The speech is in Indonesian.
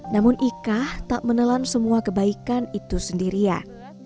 namun ika tak menelan semua kebaikan itu sendirian